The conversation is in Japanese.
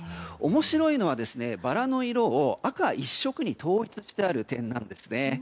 面白いのは、バラの色を赤一色に統一してある点なんですね。